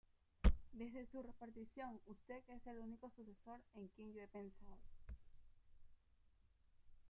Desde su reaparición, usted es el único sucesor en quien yo he pensado.